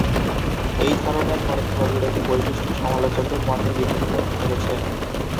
এই ধরনের পরস্পরবিরোধী বৈশিষ্ট্য সমালোচকদের মতকে দ্বিধাবিভক্ত করেছে।